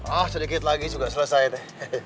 ah sedikit lagi juga selesai teh